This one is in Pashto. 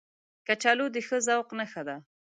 کچالو د ښه ذوق نښه ده